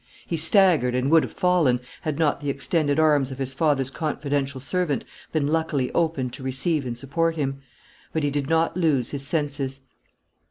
He staggered, and would have fallen, had not the extended arms of his father's confidential servant been luckily opened to receive and support him. But he did not lose his senses.